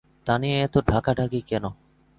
তা নিয়ে এত ঢাকাঢাকি কেন?